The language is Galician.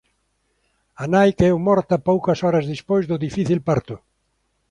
A nai caeu morta poucas horas despois do difícil parto.